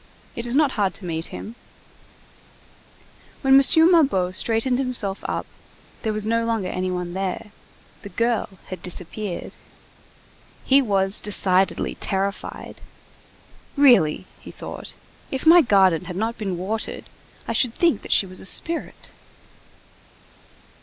It is not hard to meet him." When M. Mabeuf straightened himself up, there was no longer any one there; the girl had disappeared. He was decidedly terrified. "Really," he thought, "if my garden had not been watered, I should think that she was a spirit."